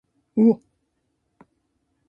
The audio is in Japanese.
うおっ。